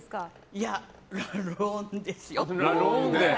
いや、ローンですよ。